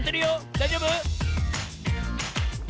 だいじょうぶ？